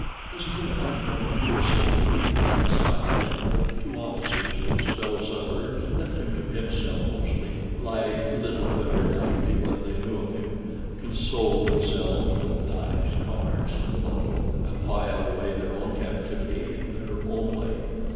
As a companion he was so moody and silent that the two officers, his fellow sufferers, left him to himself mostly, liked little very likely what they knew of him, consoled themselves with dice, cards, and the bottle, and whiled away their own captivity in their own way.